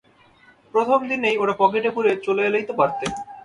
প্রথমদিনেই ওটা পকেটে পুরে চলে এলেই তো পারতে।